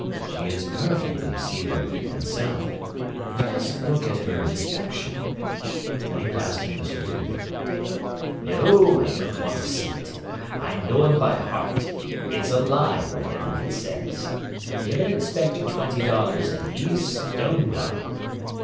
She is perfectly seaworthy and sound. Just look at her inspection " and he passed him the certificate. "No I don't want to see it! I know 'em by heart: it's a lie, whatever it says. Give an inspector twenty dollars and he's stone blind."